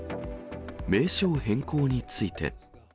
名称変更について。